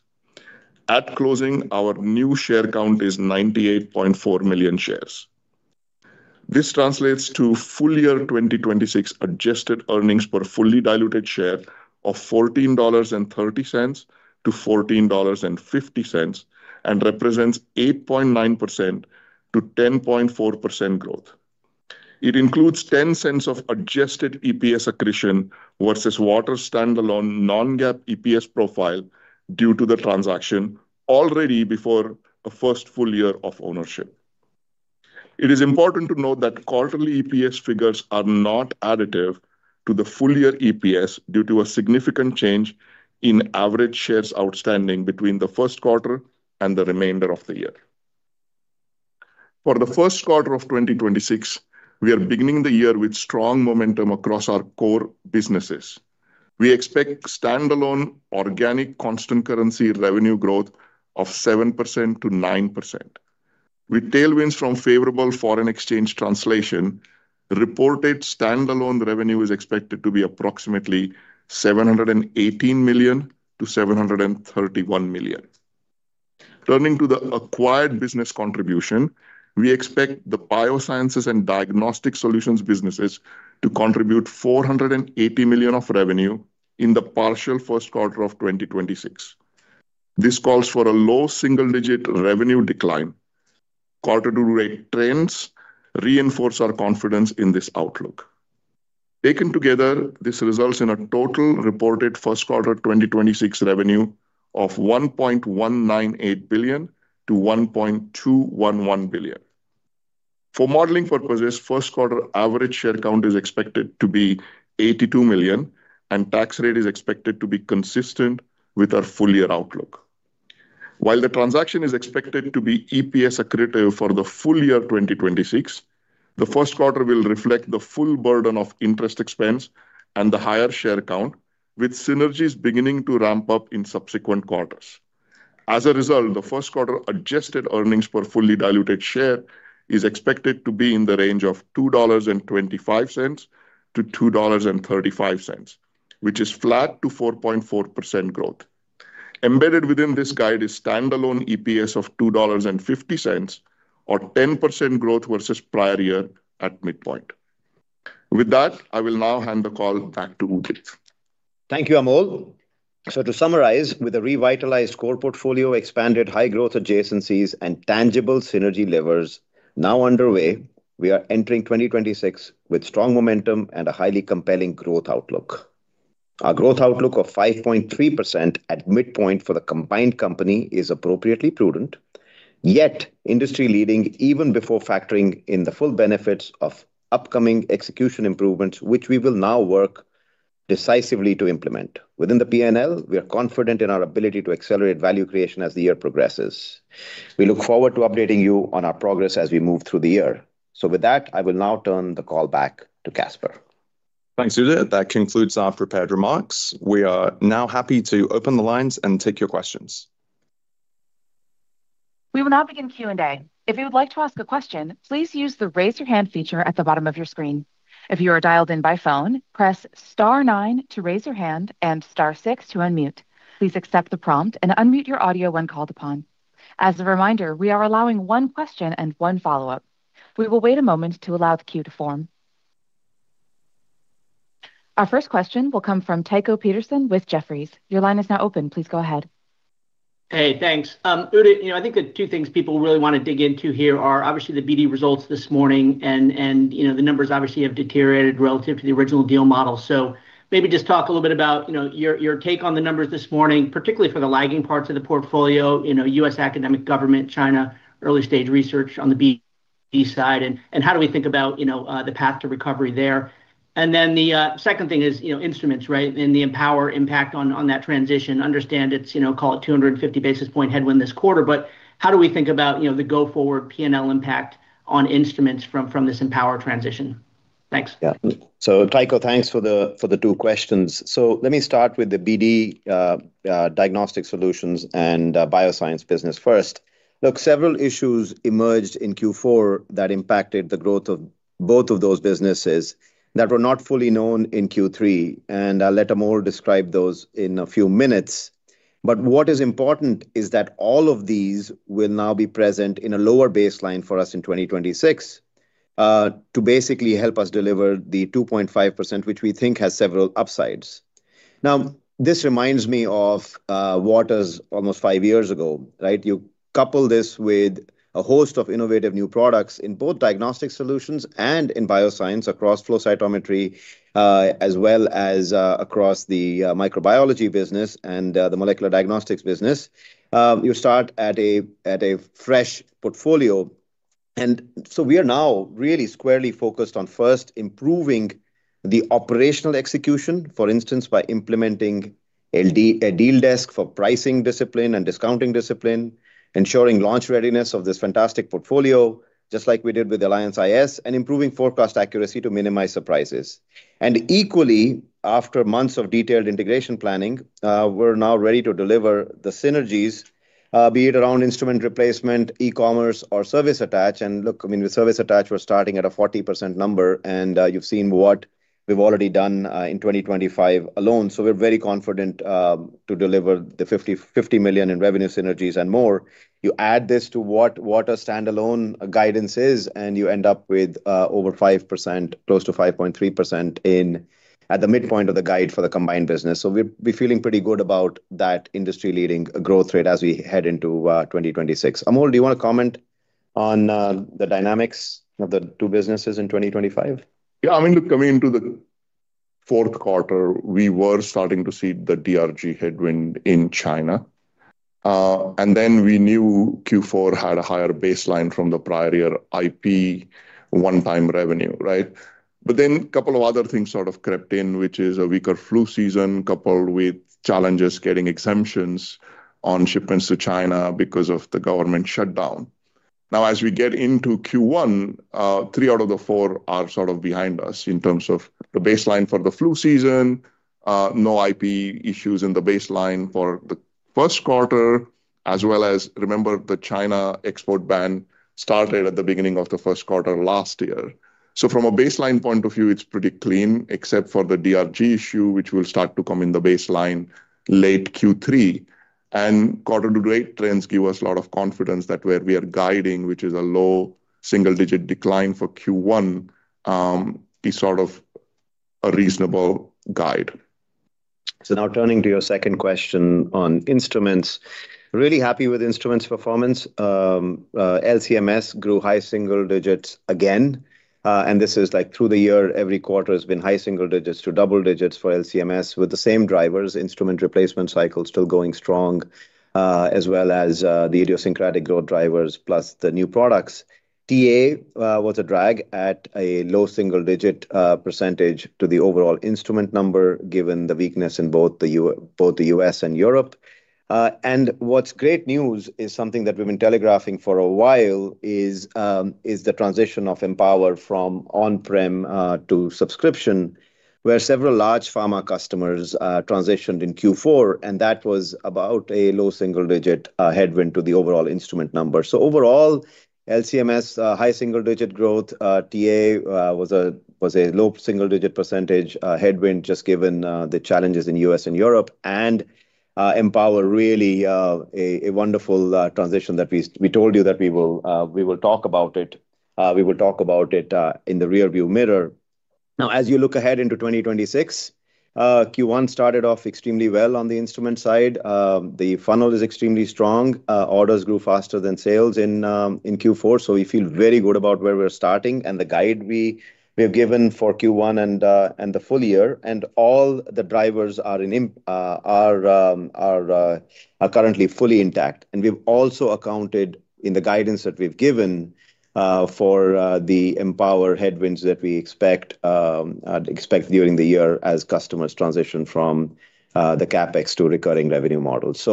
At closing, our new share count is 98.4 million shares. This translates to full year 2026 adjusted earnings per fully diluted share of $14.30-$14.50 and represents 8.9%-10.4% growth. It includes $0.10 of adjusted EPS accretion versus Waters' standalone non-GAAP EPS profile due to the transaction already before a first full year of ownership. It is important to note that quarterly EPS figures are not additive to the full year EPS due to a significant change in average shares outstanding between the first quarter and the remainder of the year. For the first quarter of 2026, we are beginning the year with strong momentum across our core businesses. We expect standalone organic constant currency revenue growth of 7%-9%. With tailwinds from favorable foreign exchange translation, reported standalone revenue is expected to be approximately $718 million-$731 million. Turning to the acquired business contribution, we expect the biosciences and diagnostic solutions businesses to contribute $480 million of revenue in the partial first quarter of 2026. This calls for a low single-digit revenue decline. Quarter-to-week trends reinforce our confidence in this outlook. Taken together, this results in a total reported first quarter 2026 revenue of $1.198 billion-$1.211 billion. For modeling purposes, first quarter average share count is expected to be 82 million, and tax rate is expected to be consistent with our full year outlook. While the transaction is expected to be EPS accretive for the full year 2026, the first quarter will reflect the full burden of interest expense and the higher share count, with synergies beginning to ramp up in subsequent quarters. As a result, the first quarter adjusted earnings per fully diluted share is expected to be in the range of $2.25-$2.35, which is flat to 4.4% growth. Embedded within this guide is standalone EPS of $2.50 or 10% growth versus prior year at midpoint. With that, I will now hand the call back to Udit. Thank you, Amol. So, to summarize, with a revitalized core portfolio, expanded high-growth adjacencies, and tangible synergy levers now underway, we are entering 2026 with strong momentum and a highly compelling growth outlook. Our growth outlook of 5.3% at midpoint for the combined company is appropriately prudent, yet industry-leading even before factoring in the full benefits of upcoming execution improvements, which we will now work decisively to implement. Within the P&L, we are confident in our ability to accelerate value creation as the year progresses. We look forward to updating you on our progress as we move through the year. So, with that, I will now turn the call back to Caspar. Thanks, Udit. That concludes our prepared remarks. We are now happy to open the lines and take your questions. We will now begin Q&A. If you would like to ask a question, please use the raise your hand feature at the bottom of your screen. If you are dialed in by phone, press star 9 to raise your hand and star 6 to unmute. Please accept the prompt and unmute your audio when called upon. As a reminder, we are allowing one question and one follow-up. We will wait a moment to allow the queue to form. Our first question will come from Tycho Peterson with Jefferies. Your line is now open. Please go ahead. Hey, thanks. Udit, I think the two things people really want to dig into here are obviously the BD results this morning and the numbers obviously have deteriorated relative to the original deal model. So, maybe just talk a little bit about your take on the numbers this morning, particularly for the lagging parts of the portfolio: U.S. academic government, China, early-stage research on the BD side, and how do we think about the path to recovery there? And then the second thing is instruments and the Empower impact on that transition. Understand it's, call it, 250 basis point headwind this quarter, but how do we think about the go-forward P&L impact on instruments from this Empower transition? Thanks. Yeah. So, Tycho, thanks for the two questions. So, let me start with the BD diagnostic solutions and bioscience business first. Look, several issues emerged in Q4 that impacted the growth of both of those businesses that were not fully known in Q3, and I'll let Amol describe those in a few minutes. But what is important is that all of these will now be present in a lower baseline for us in 2026 to basically help us deliver the 2.5%, which we think has several upsides. Now, this reminds me of Waters almost five years ago. You couple this with a host of innovative new products in both diagnostic solutions and in bioscience across flow cytometry, as well as across the microbiology business and the molecular diagnostics business. You start at a fresh portfolio. So, we are now really squarely focused on first improving the operational execution, for instance, by implementing a deal desk for pricing discipline and discounting discipline, ensuring launch readiness of this fantastic portfolio just like we did with Alliance iS, and improving forecast accuracy to minimize surprises. Equally, after months of detailed integration planning, we're now ready to deliver the synergies, be it around instrument replacement, e-commerce, or service attach. And look, I mean, with service attach, we're starting at a 40% number, and you've seen what we've already done in 2025 alone. So, we're very confident to deliver the $50 million in revenue synergies and more. You add this to what Waters' standalone guidance is, and you end up with over 5%, close to 5.3% at the midpoint of the guide for the combined business. So, we're feeling pretty good about that industry-leading growth rate as we head into 2026. Amol, do you want to comment on the dynamics of the two businesses in 2025? Yeah. I mean, look, coming into the fourth quarter, we were starting to see the DRG headwind in China. And then we knew Q4 had a higher baseline from the prior year IP one-time revenue. But then a couple of other things sort of crept in, which is a weaker flu season coupled with challenges getting exemptions on shipments to China because of the government shutdown. Now, as we get into Q1, three out of the four are sort of behind us in terms of the baseline for the flu season. No IP issues in the baseline for the first quarter, as well. Remember, the China export ban started at the beginning of the first quarter last year. So, from a baseline point of view, it's pretty clean, except for the DRG issue, which will start to come in the baseline late Q3. And quarter-to-week trends give us a lot of confidence that where we are guiding, which is a low single-digit decline for Q1, is sort of a reasonable guide. So, now turning to your second question on instruments, really happy with instruments performance. LCMS grew high single digits again. And this is like through the year, every quarter has been high single digits to double digits for LCMS with the same drivers: instrument replacement cycle still going strong, as well as the idiosyncratic growth drivers plus the new products. TA was a drag at a low single-digit % to the overall instrument number given the weakness in both the U.S. and Europe. And what's great news is something that we've been telegraphing for a while is the transition of empower from on-prem to subscription, where several large pharma customers transitioned in Q4, and that was about a low single-digit headwind to the overall instrument number. So, overall, LCMS, high single-digit growth. TA was a low single-digit % headwind just given the challenges in the U.S. and Europe. And empower really a wonderful transition that we told you that we will talk about it. We will talk about it in the rearview mirror. Now, as you look ahead into 2026, Q1 started off extremely well on the instrument side. The funnel is extremely strong. Orders grew faster than sales in Q4, so we feel very good about where we're starting and the guide we have given for Q1 and the full year. All the drivers are currently fully intact. We've also accounted in the guidance that we've given for the Empower headwinds that we expect during the year as customers transition from the CapEx to recurring revenue models.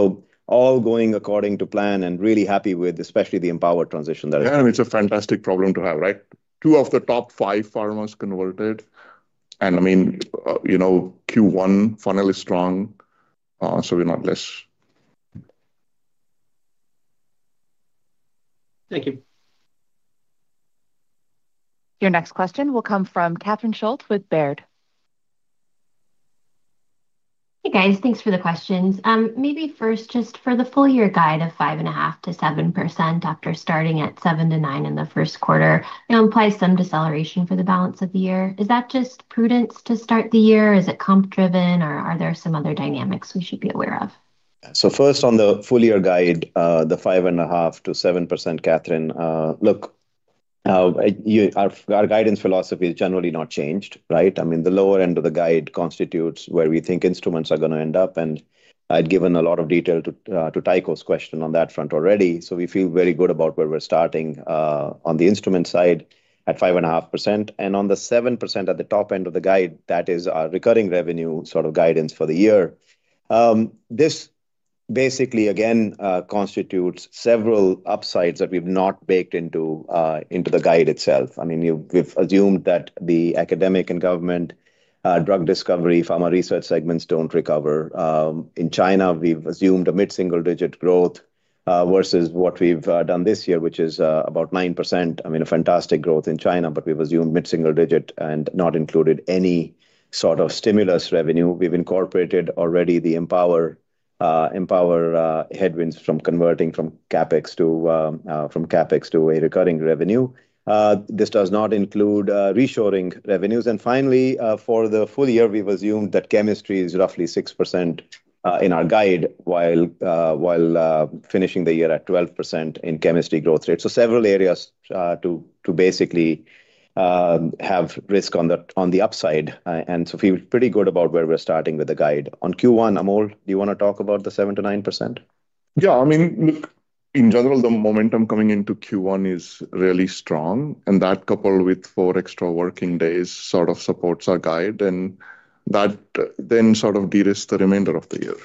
All going according to plan and really happy with, especially the Empower transition that is happening. Yeah, I mean, it's a fantastic problem to have. Two of the top five pharmas converted. I mean, Q1 funnel is strong, so we're not less. Thank you. Your next question will come from Catherine Schulte with Baird. Hey, guys. Thanks for the questions. Maybe first, just for the full year guide of 5.5%-7% after starting at 7%-9% in the first quarter, implies some deceleration for the balance of the year. Is that just prudence to start the year? Is it comp-driven, or are there some other dynamics we should be aware of? So, first, on the full year guide, the 5.5%-7%, Catherine, look, our guidance philosophy is generally not changed. I mean, the lower end of the guide constitutes where we think instruments are going to end up. And I'd given a lot of detail to Tycho's question on that front already. So, we feel very good about where we're starting on the instrument side at 5.5%. And on the 7% at the top end of the guide, that is our recurring revenue sort of guidance for the year. This basically, again, constitutes several upsides that we've not baked into the guide itself. I mean, we've assumed that the academic and government drug discovery, pharma research segments don't recover. In China, we've assumed a mid-single-digit growth versus what we've done this year, which is about 9%. I mean, a fantastic growth in China, but we've assumed mid-single-digit and not included any sort of stimulus revenue. We've incorporated already the Empower headwinds from converting from CapEx to a recurring revenue. This does not include reshoring revenues. And finally, for the full year, we've assumed that Chemistry is roughly 6% in our guide while finishing the year at 12% in Chemistry growth rate. So, several areas to basically have risk on the upside. And so, feel pretty good about where we're starting with the guide. On Q1, Amol, do you want to talk about the 7%-9%? Yeah. I mean, look, in general, the momentum coming into Q1 is really strong, and that coupled with four extra working days sort of supports our guide, and that then sort of de-risk the remainder of the year.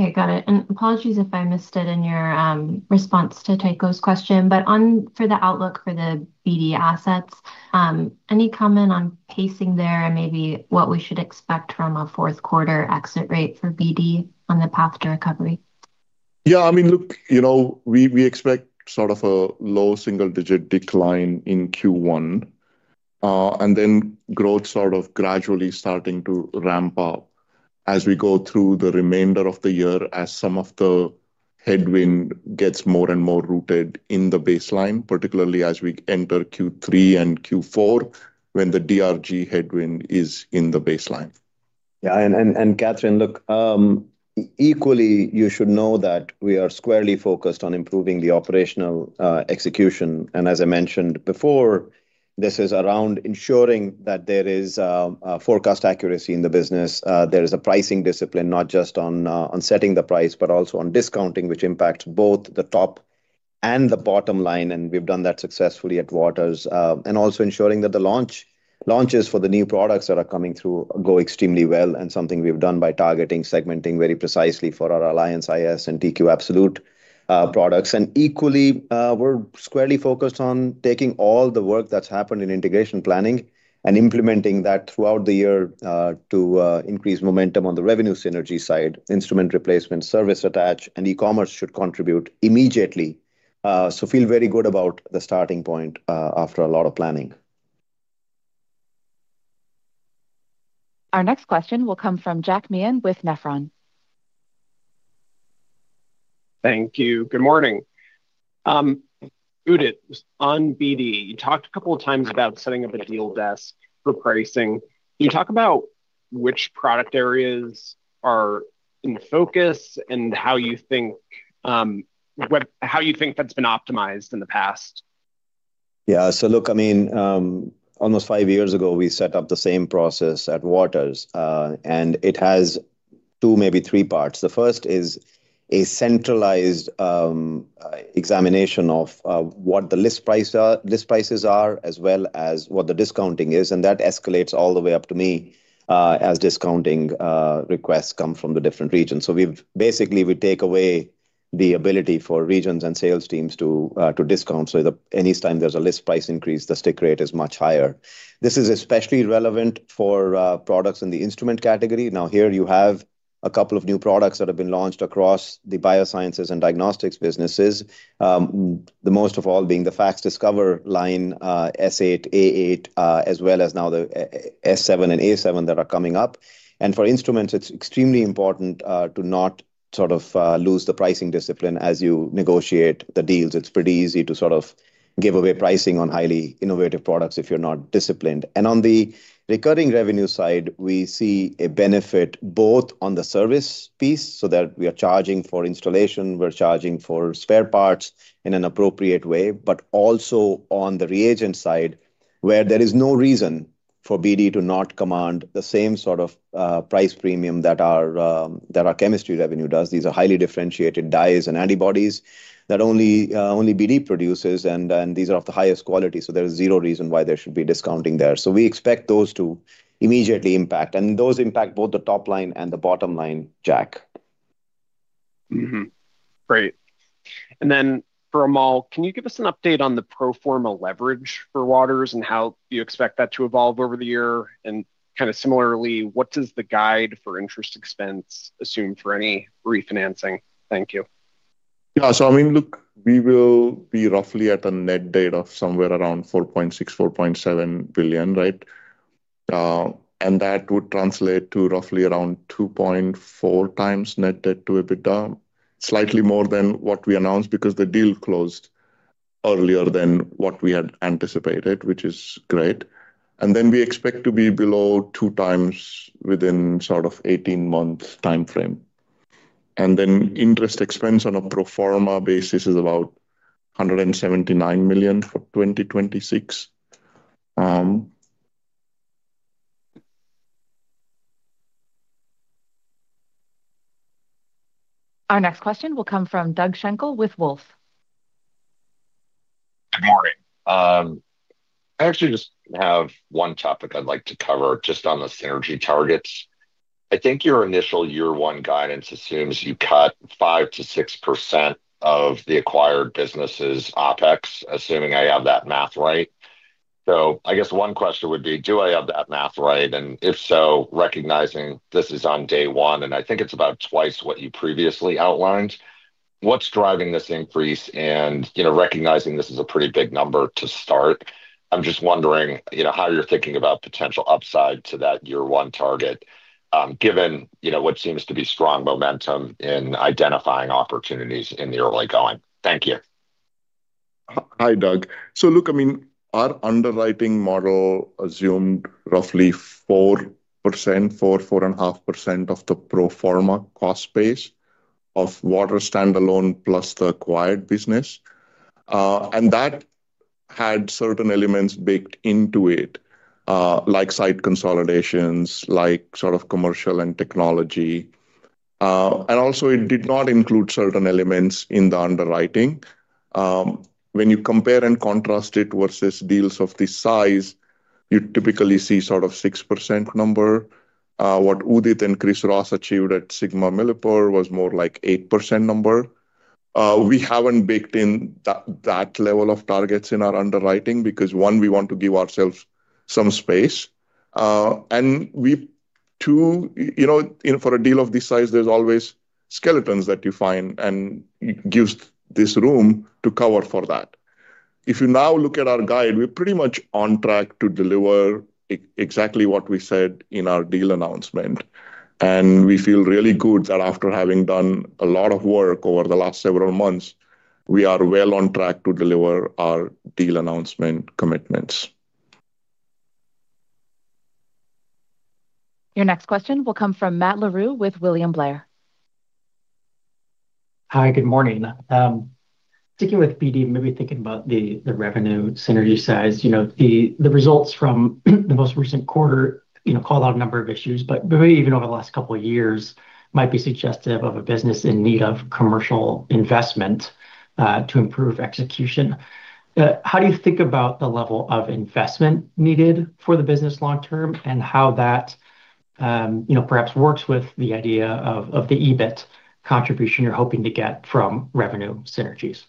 Okay. Got it. And apologies if I missed it in your response to Tycho's question. But for the outlook for the BD assets, any comment on pacing there and maybe what we should expect from a fourth-quarter exit rate for BD on the path to recovery? Yeah. I mean, look, we expect sort of a low single-digit decline in Q1 and then growth sort of gradually starting to ramp up as we go through the remainder of the year as some of the headwind gets more and more rooted in the baseline, particularly as we enter Q3 and Q4 when the DRG headwind is in the baseline. Yeah. Catherine, look, equally, you should know that we are squarely focused on improving the operational execution. As I mentioned before, this is around ensuring that there is forecast accuracy in the business. There is a pricing discipline, not just on setting the price, but also on discounting, which impacts both the top and the bottom line. We've done that successfully at Waters. Also ensuring that the launches for the new products that are coming through go extremely well and something we've done by targeting, segmenting very precisely for our Alliance iS and TQ Absolute products. Equally, we're squarely focused on taking all the work that's happened in integration planning and implementing that throughout the year to increase momentum on the revenue synergy side. Instrument replacement, service attach, and e-commerce should contribute immediately. Feel very good about the starting point after a lot of planning. Our next question will come from Jack Meehan with Nephron. Thank you. Good morning. Udit, on BD, you talked a couple of times about setting up a deal desk for pricing. Can you talk about which product areas are in focus and how you think that's been optimized in the past? Yeah. So, look, I mean, almost five years ago, we set up the same process at Waters. It has two, maybe three parts. The first is a centralized examination of what the list prices are, as well as what the discounting is. That escalates all the way up to me as discounting requests come from the different regions. Basically, we take away the ability for regions and sales teams to discount. Anytime there's a list price increase, the stick rate is much higher. This is especially relevant for products in the instrument category. Now, here, you have a couple of new products that have been launched across the biosciences and diagnostics businesses, the most of all being the FACSDiscover line, S8, A8, as well as now the S7 and A7 that are coming up. And for instruments, it's extremely important to not sort of lose the pricing discipline as you negotiate the deals. It's pretty easy to sort of give away pricing on highly innovative products if you're not disciplined. And on the recurring revenue side, we see a benefit both on the service piece so that we are charging for installation, we're charging for spare parts in an appropriate way, but also on the reagent side where there is no reason for BD to not command the same sort of price premium that our chemistry revenue does. These are highly differentiated dyes and antibodies that only BD produces, and these are of the highest quality. So, there is zero reason why there should be discounting there. So, we expect those to immediately impact. And those impact both the top line and the bottom line, Jack. Great. And then for Amol, can you give us an update on the pro forma leverage for Waters and how you expect that to evolve over the year? And kind of similarly, what does the guide for interest expense assume for any refinancing? Thank you. Yeah. So, I mean, look, we will be roughly at a net debt of somewhere around $4.6-$4.7 billion. And that would translate to roughly around 2.4x net debt to EBITDA, slightly more than what we announced because the deal closed earlier than what we had anticipated, which is great. Then we expect to be below 2 times within sort of 18-month timeframe. Then interest expense on a pro forma basis is about $179 million for 2026. Our next question will come from Doug Schenkel with Wolfe. Good morning. I actually just have one topic I'd like to cover just on the synergy targets. I think your initial year-one guidance assumes you cut 5%-6% of the acquired businesses' OpEx, assuming I have that math right. So, I guess one question would be, do I have that math right? And if so, recognizing this is on day one, and I think it's about twice what you previously outlined, what's driving this increase? Recognizing this is a pretty big number to start, I'm just wondering how you're thinking about potential upside to that year-one target given what seems to be strong momentum in identifying opportunities in the early going. Thank you. Hi, Doug. So, look, I mean, our underwriting model assumed roughly 4%, 4%, 4.5% of the pro forma cost base of Waters standalone plus the acquired business. And that had certain elements baked into it, like site consolidations, like sort of commercial and technology. And also, it did not include certain elements in the underwriting. When you compare and contrast it versus deals of this size, you typically see sort of 6% number. What Udit and Chris Ross achieved at MilliporeSigma was more like 8% number. We haven't baked in that level of targets in our underwriting because, one, we want to give ourselves some space. And two, for a deal of this size, there's always skeletons that you find, and it gives this room to cover for that. If you now look at our guide, we're pretty much on track to deliver exactly what we said in our deal announcement. And we feel really good that after having done a lot of work over the last several months, we are well on track to deliver our deal announcement commitments. Your next question will come from Matt Larew with William Blair. Hi. Good morning. Sticking with BD, maybe thinking about the revenue synergy size, the results from the most recent quarter call out a number of issues, but maybe even over the last couple of years might be suggestive of a business in need of commercial investment to improve execution. How do you think about the level of investment needed for the business long-term and how that perhaps works with the idea of the EBIT contribution you're hoping to get from revenue synergies?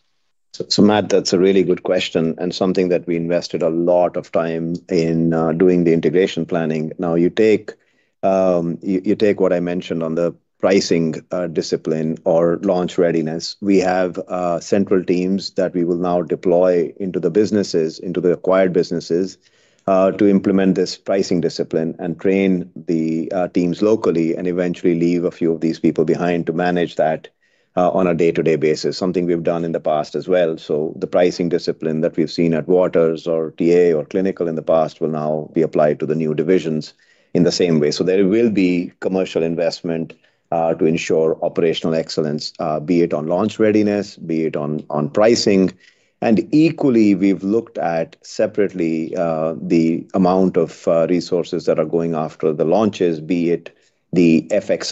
So, Matt, that's a really good question and something that we invested a lot of time in doing the integration planning. Now, you take what I mentioned on the pricing discipline or launch readiness. We have central teams that we will now deploy into the acquired businesses to implement this pricing discipline and train the teams locally and eventually leave a few of these people behind to manage that on a day-to-day basis, something we've done in the past as well. So, the pricing discipline that we've seen at Waters or TA or clinical in the past will now be applied to the new divisions in the same way. So, there will be commercial investment to ensure operational excellence, be it on launch readiness, be it on pricing. And equally, we've looked at separately the amount of resources that are going after the launches, be it the FX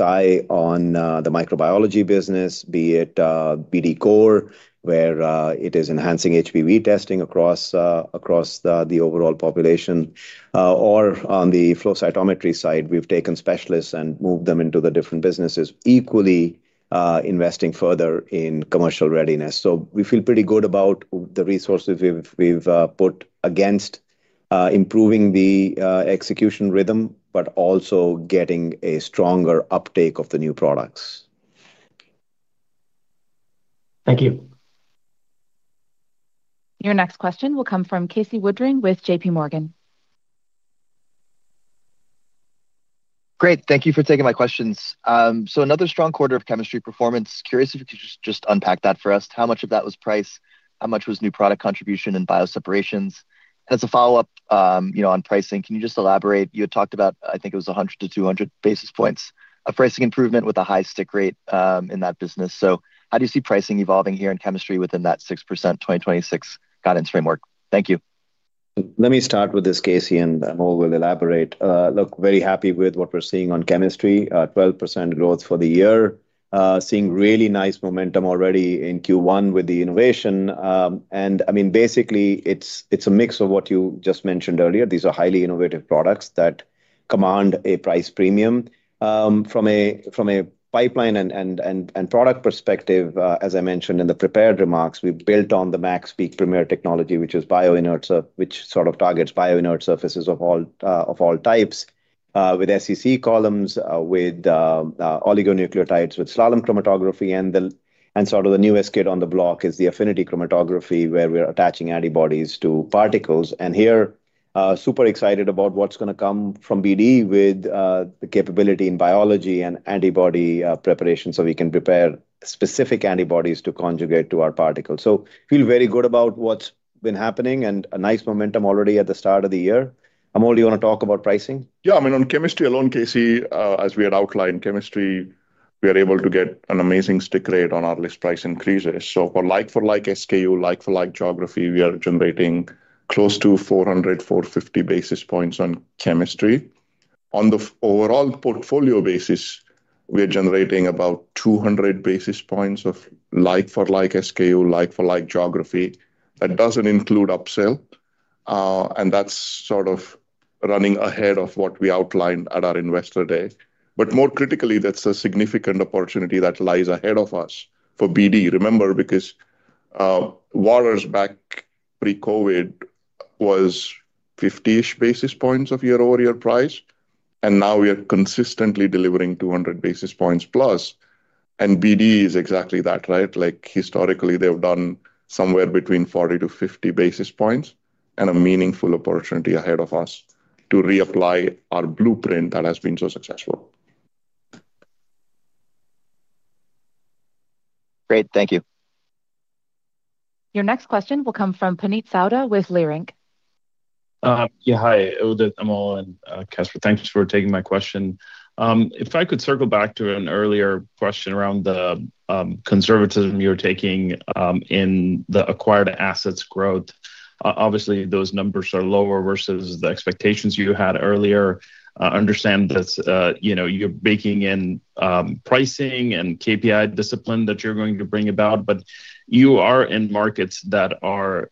on the microbiology business, be it BD COR, where it is enhancing HPV testing across the overall population, or on the flow cytometry side, we've taken specialists and moved them into the different businesses, equally investing further in commercial readiness. So, we feel pretty good about the resources we've put against improving the execution rhythm but also getting a stronger uptake of the new products. Thank you. Your next question will come from Casey Woodring with J.P. Morgan. Great. Thank you for taking my questions. So, another strong quarter of chemistry performance. Curious if you could just unpack that for us. How much of that was price? How much was new product contribution and bioseparations? And as a follow-up on pricing, can you just elaborate? You had talked about, I think it was 100-200 basis points, a pricing improvement with a high stick rate in that business. So, how do you see pricing evolving here in chemistry within that 6% 2026 guidance framework? Thank you. Let me start with this, Casey, and Amol will elaborate. Look, very happy with what we're seeing on chemistry, 12% growth for the year, seeing really nice momentum already in Q1 with the innovation. And I mean, basically, it's a mix of what you just mentioned earlier. These are highly innovative products that command a price premium. From a pipeline and product perspective, as I mentioned in the prepared remarks, we built on the MaxPeak Premier technology, which is bioinert, which sort of targets bioinert surfaces of all types with SEC columns, with oligonucleotides, with slalom chromatography. And sort of the newest kid on the block is the affinity chromatography where we're attaching antibodies to particles. And here, super excited about what's going to come from BD with the capability in biology and antibody preparation so we can prepare specific antibodies to conjugate to our particles. So, feel very good about what's been happening and a nice momentum already at the start of the year. Amol, do you want to talk about pricing? Yeah. I mean, on chemistry alone, Casey, as we had outlined, chemistry, we are able to get an amazing stick rate on our list price increases. So, for like-for-like SKU, like-for-like geography, we are generating close to 400-450 basis points on chemistry. On the overall portfolio basis, we are generating about 200 basis points of like-for-like SKU, like-for-like geography that doesn't include upsell. And that's sort of running ahead of what we outlined at our investor day. But more critically, that's a significant opportunity that lies ahead of us for BD, remember, because Waters back pre-COVID was 50-ish basis points of year-over-year price. And now we are consistently delivering 200 basis points plus. And BD is exactly that, right? Historically, they've done somewhere between 40 to 50 basis points and a meaningful opportunity ahead of us to reapply our blueprint that has been so successful. Great. Thank you. Your next question will come from Puneet Souda with Leerink. Yeah. Hi, Udit, Amol, and Caspar. Thank you for taking my question. If I could circle back to an earlier question around the conservatism you were taking in the acquired assets growth, obviously, those numbers are lower versus the expectations you had earlier. I understand that you're baking in pricing and KPI discipline that you're going to bring about, but you are in markets that are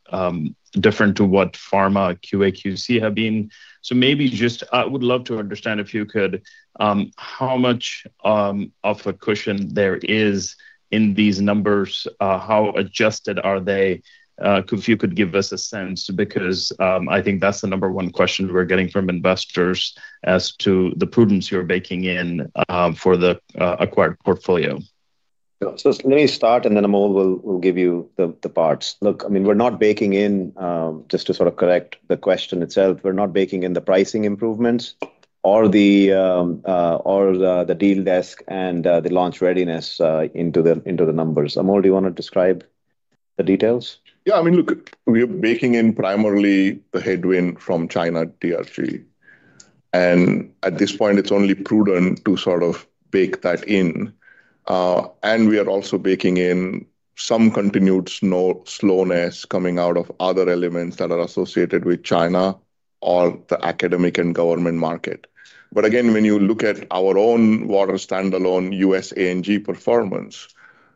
different to what pharma QA/QC have been. So maybe just I would love to understand, if you could, how much of a cushion there is in these numbers? How adjusted are they? If you could give us a sense because I think that's the number one question we're getting from investors as to the prudence you're baking in for the acquired portfolio. Yeah. So let me start, and then Amol will give you the parts. Look, I mean, we're not baking in just to sort of correct the question itself. We're not baking in the pricing improvements or the deal desk and the launch readiness into the numbers. Amol, do you want to describe the details? Yeah. I mean, look, we are baking in primarily the headwind from China DRG. And at this point, it's only prudent to sort of bake that in. And we are also baking in some continued slowness coming out of other elements that are associated with China or the academic and government market. But again, when you look at our own Waters standalone U.S. A&G performance,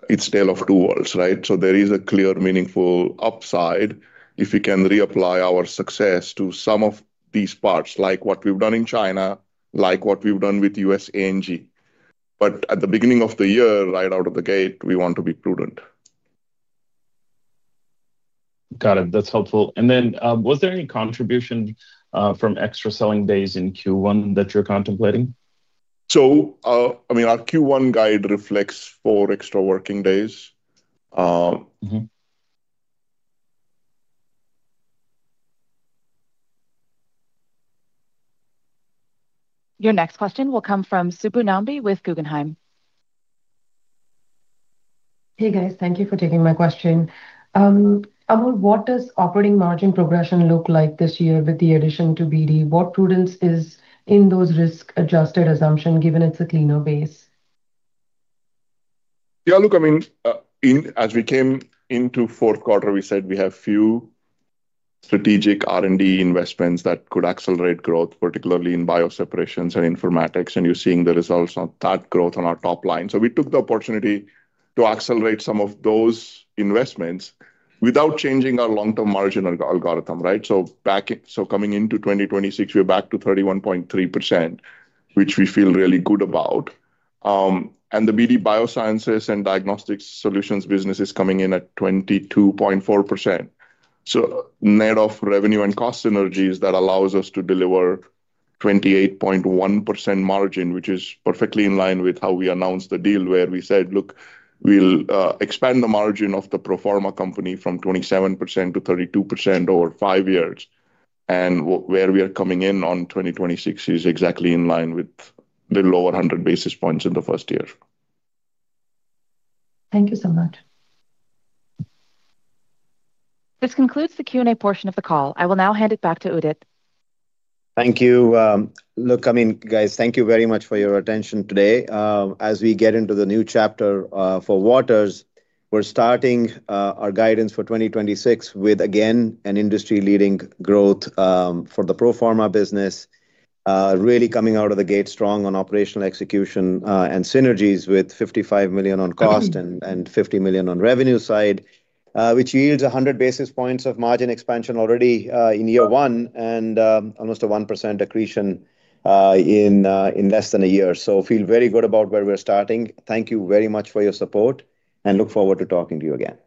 it's a tale of two worlds, right? So there is a clear, meaningful upside if we can reapply our success to some of these parts, like what we've done in China, like what we've done with U.S. A&G. But at the beginning of the year, right out of the gate, we want to be prudent. Got it. That's helpful. And then was there any contribution from extra selling days in Q1 that you're contemplating? So, I mean, our Q1 guide reflects four extra working days. Your next question will come from Subbu Nambi with Guggenheim. Hey, guys. Thank you for taking my question. Amol, what does operating margin progression look like this year with the addition to BD? What prudence is in those risk-adjusted assumptions given it's a cleaner base? Yeah. Look, I mean, as we came into fourth quarter, we said we have few strategic R&D investments that could accelerate growth, particularly in bioseparations and informatics. And you're seeing the results of that growth on our top line. So we took the opportunity to accelerate some of those investments without changing our long-term margin algorithm, right? So coming into 2026, we're back to 31.3%, which we feel really good about. The BD Biosciences and Diagnostics Solutions business is coming in at 22.4%. So net of revenue and cost synergies, that allows us to deliver 28.1% margin, which is perfectly in line with how we announced the deal where we said, "Look, we'll expand the margin of the pro forma company from 27% to 32% over five years." And where we are coming in on 2026 is exactly in line with a little over 100 basis points in the first year. Thank you so much. This concludes the Q&A portion of the call. I will now hand it back to Udit. Thank you. Look, I mean, guys, thank you very much for your attention today. As we get into the new chapter for Waters, we're starting our guidance for 2026 with, again, an industry-leading growth for the pro forma business, really coming out of the gate strong on operational execution and synergies with $55 million on cost and $50 million on revenue side, which yields 100 basis points of margin expansion already in year one and almost a 1% accretion in less than a year. So feel very good about where we're starting. Thank you very much for your support, and look forward to talking to you again.